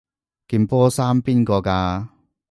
件波衫邊個㗎？